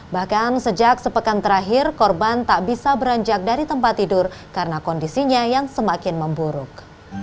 bahkan sejak sepekan terakhir korban tak bisa beranjak dari tempat tidur karena kondisinya yang semakin memburuk